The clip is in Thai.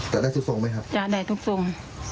ต้าได้ทุกทุ่งไหมครับต้าได้ทุกทุ่ง